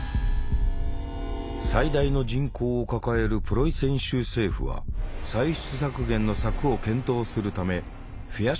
最大の人口を抱えるプロイセン州政府は歳出削減の策を検討するためフェア